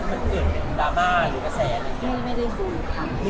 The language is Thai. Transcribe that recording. คงเป็นแบบเรื่องปกติที่แบบ